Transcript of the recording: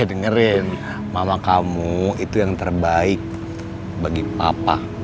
dengerin mama kamu itu yang terbaik bagi papa